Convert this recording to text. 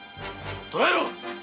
捕らえろ！